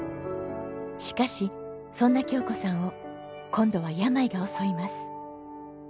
しかしそんな京子さんを今度は病が襲います。